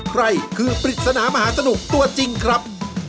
ใครคือปริศนามหาสนุกตัวจริงครับ